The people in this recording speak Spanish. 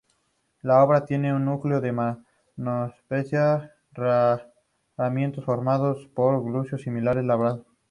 La obra tiene un núcleo de mampostería y paramentos formados por gruesos sillares labrados.